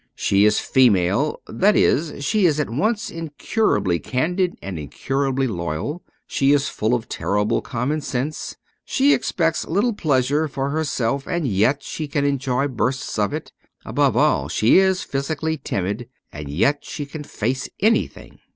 She is female — that is, she is at once incurably candid and incurably loyal, she is full of terrible common sense, she expects little pleasure for herself and yet she can enjoy bursts of it ; above all, she is physically timid and yet she can face anything.